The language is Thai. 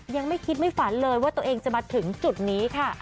ยังไม่คิดไม่ฝันเลยว่าตัวเองจะมาถึงจุดนี้ค่ะ